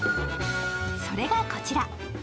それがこちら。